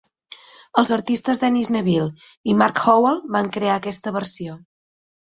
Els artistes Dennis Neville i Mark Howell van crear aquesta versió.